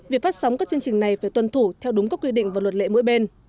việc phát sóng các chương trình này phải tuân thủ theo đúng các quy định và luật lệ mỗi bên